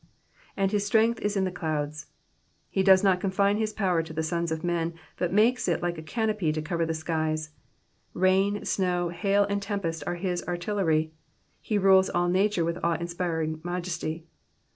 ^^And his strength is in the dotids.^'' He does not confine bos power to the sons of men, but makes it like a canopy to cover the skies. Rain, snow, hail, and tem[>e8t are his artillery ; he rules all nature with awe inspiring majesty.